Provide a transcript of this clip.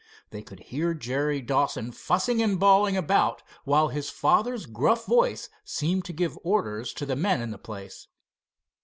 They could hear Jerry Dawson fussing and bawling about, while his father's gruff voice seemed to give orders to the men in the place.